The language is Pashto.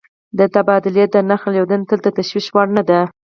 د تبادلې د نرخ رالوېدنه تل د تشویش وړ نه ده.